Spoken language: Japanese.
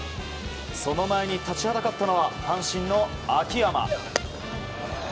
その前に立ちはだかったのは阪神の秋山。